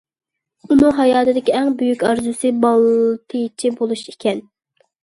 ئۇنىڭ ھاياتىدىكى ئەڭ بۈيۈك ئارزۇسى بالېتچى بولۇش ئىكەن.